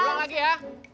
dua lagi ya